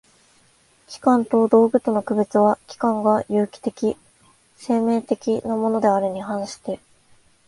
器官と道具との区別は、器官が有機的（生命的）なものであるに反して